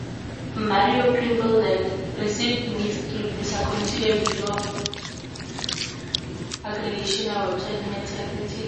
"Mario Pinball Land" received "mixed" reviews according to the review aggregation website Metacritic.